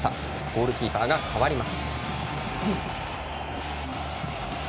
ゴールキーパーが代わります。